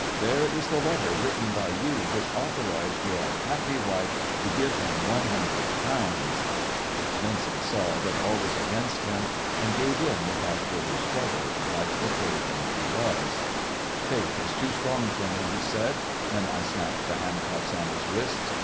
The ve is the E written by yon wliich authorized yoiir unhiippy wife to. liim one liimdroil pounds." VincoDt saw tliat all was against him, anil gavE further ntruggle!!, like tho craven he was, " Fate in too strong for me," lie said, when I snaiipgi handcuffs on his wrists.